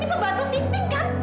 ini pebatu siting kan